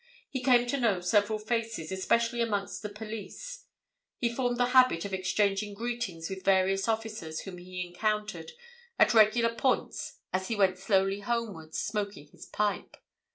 He came to know several faces, especially amongst the police; he formed the habit of exchanging greetings with various officers whom he encountered at regular points as he went slowly homewards, smoking his pipe.